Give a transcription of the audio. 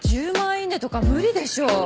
イイネとか無理でしょ。